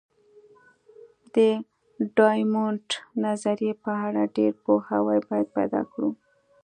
د ډایمونډ نظریې په اړه ډېر پوهاوی باید پیدا کړو.